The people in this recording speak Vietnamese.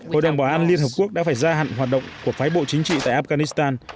hội đồng bảo an liên hợp quốc đã phải gia hạn hoạt động của phái bộ chính trị tại afghanistan